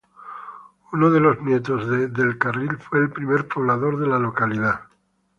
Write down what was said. Uno de los nietos de Del Carril fue el primer poblador de la localidad.